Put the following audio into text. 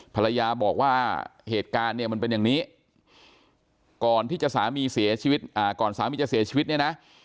ภรรยาบอกว่าเหตุการณ์เนี่ยมันเป็นอย่างนี้ก่อนที่จะสามีเสียชีวิตก่อนสามีจะเสียชีวิตเนี่ยนะ